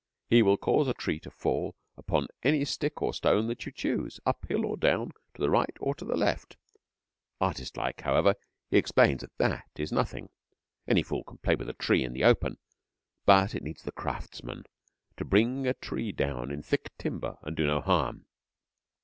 he will cause a tree to fall upon any stick or stone that you choose, uphill or down, to the right or to the left. Artist like, however, he explains that that is nothing. Any fool can play with a tree in the open, but it needs the craftsman to bring a tree down in thick timber and do no harm.